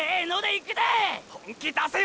本気出せよ！